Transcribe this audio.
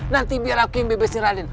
nanti biar aku yang bebesin raden